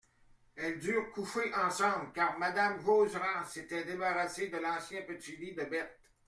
Elles durent coucher ensemble, car madame Josserand s'était débarrassée de l'ancien petit lit de Berthe.